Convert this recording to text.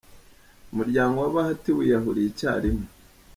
Umuryango wa Bhatia wiyahuriye icya rimwe.